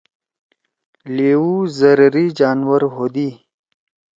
لیوو ضرری جانور ہودی۔